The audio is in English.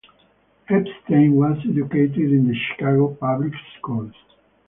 Epstein was educated in the Chicago public schools.